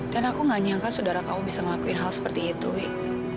aku gak nyangka saudara kamu bisa ngelakuin hal seperti itu